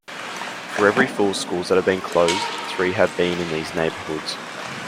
For every four schools that have been closed, three have been in these neighborhoods.